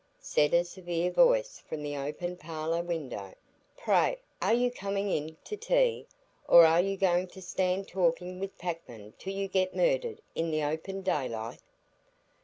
said a severe voice from the open parlour window, "pray are you coming in to tea, or are you going to stand talking with packmen till you get murdered in the open daylight?"